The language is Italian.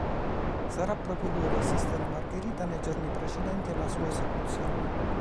Sarà proprio lui ad assistere Margherita nei giorni precedenti alla sua esecuzione.